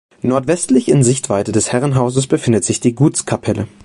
Nordwestlich in Sichtweite des Herrenhauses befindet sich die Gutskapelle.